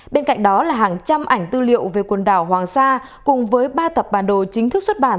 bên cạnh đó là hàng trăm ảnh tư liệu về quần đảo hoàng sa cùng với ba tập bản đồ chính thức xuất bản